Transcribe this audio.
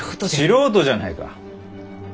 素人じゃないか。